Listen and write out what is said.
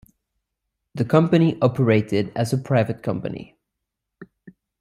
The company operated as a private company.